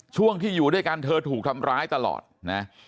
ช่วงที่อยู่ด้วยกันเธอถูกทำร้ายตลอดนะ